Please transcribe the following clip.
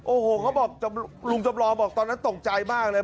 โอ้โหเขาบอกลุงจำลองบอกตอนนั้นตกใจมากเลย